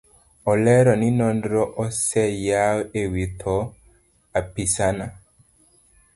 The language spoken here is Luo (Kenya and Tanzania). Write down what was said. Olero ni nonro oseyaw ewi tho apisano.